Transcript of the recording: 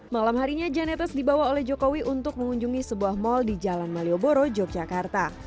malam harinya janetes dibawa oleh jokowi untuk mengunjungi sebuah mal di jalan malioboro yogyakarta